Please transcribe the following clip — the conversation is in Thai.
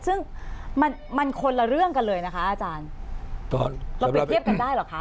ซึ่งมันมันคนละเรื่องกันเลยนะคะอาจารย์ตอนเราเปรียบเทียบกันได้เหรอคะ